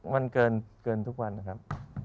มันเกินทุกวันนะครับ